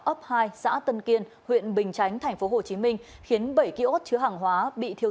ấp hai xã tân kiên huyện bình chánh tp hcm khiến bảy ký ốt chứa hàng hóa bị thiêu